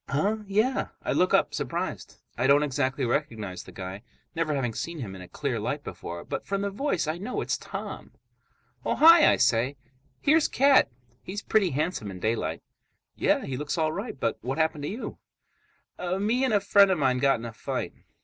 "Huh? Yeah." I look up, surprised. I don't exactly recognize the guy, never having seen him in a clear light before. But from the voice I know it's Tom. "Oh, hi!" I say. "Here's Cat. He's pretty handsome in daylight." "Yeah, he looks all right, but what happened to you?" "Me and a friend of mine got in a fight."